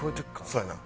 そやな。